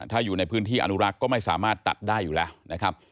ถ้าอยู่ในพื้นที่อนุรักษ์ก็ไม่สามารถตัดได้อยู่แล้วนะครับ